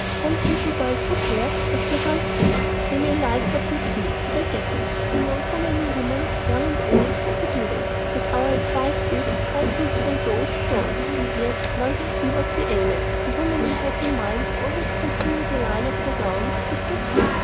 Some people buy footwear as they buy fruit; they like what they see, so they get it! You know so many women, young and old, who do this, that our advice is, try to recall those who do not. Yes, now you see what we aim at; the women you have in mind always continue the line of their gowns with their feet.